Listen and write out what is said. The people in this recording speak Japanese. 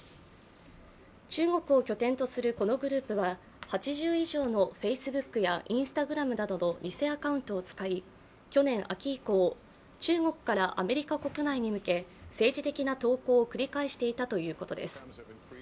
中国を拠点とするこのグループは８０以上のＦａｃｅｂｏｏｋやＩｎｓｔａｇｒａｍなどの偽アカウントを使い、去年秋以降中国からアメリカ国内に向け政治的な投稿を繰り返していたということです。